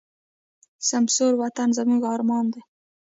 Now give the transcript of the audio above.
سمسور وطن زموږ ارمان دی.